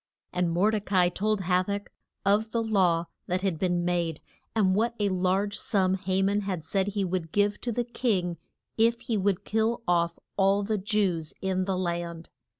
And Mor de ca i told Ha tach of the law that had been made, and what a large sum Ha man had said he would give to the king if he would kill off all the Jews in the land.